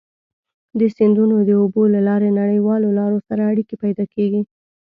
د سیندونو د اوبو له لارې نړیوالو لارو سره اړيکي پيدا کیږي.